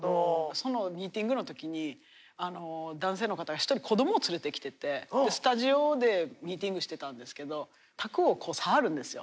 そのミーティングの時に男性の方が一人子供を連れてきててスタジオでミーティングしてたんですけど卓を触るんですよ